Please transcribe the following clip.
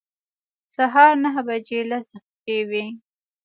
سهار نهه بجې لس دقیقې وې.